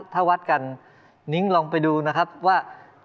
ถ้าวัดกันนิ้งลองไปดูนะครับว่า